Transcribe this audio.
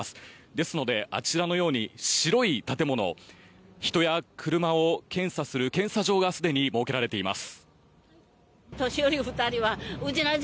ですので、あちらのように白い建物人や車を検査する検査場がすでに設けられています。